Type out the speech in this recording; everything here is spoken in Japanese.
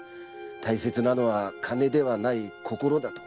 大切なのは金ではない心だと。